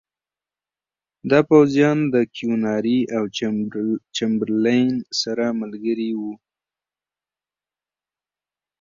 دا پوځیان د کیوناري او چمبرلین سره ملګري وو.